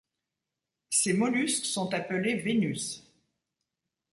Ces mollusques sont appelés vénus.